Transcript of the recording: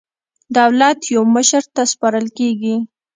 دولت یو مشر ته سپارل کېږي.